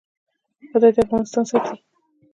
خدای دې افغانستان ساتي